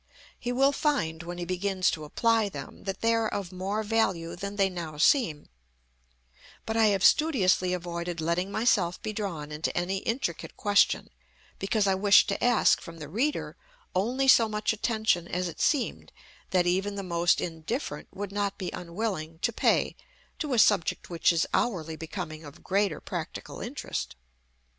He will find, when he begins to apply them, that they are of more value than they now seem; but I have studiously avoided letting myself be drawn into any intricate question, because I wished to ask from the reader only so much attention as it seemed that even the most indifferent would not be unwilling to pay to a subject which is hourly becoming of greater practical interest.